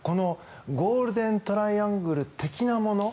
ゴールデントライアングル的なもの